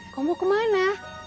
kau mau kemana